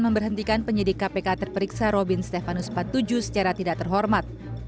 memberhentikan penyidik kpk terperiksa robin stefanus empat puluh tujuh secara tidak terhormat